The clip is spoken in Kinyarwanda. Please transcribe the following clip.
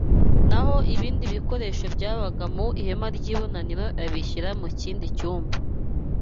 naho ibindi bikoresho byabaga mu ihema ry’ibonaniro abishyira mu kindi cyumba